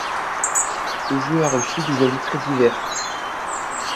Le jeu a reçu des avis très divers.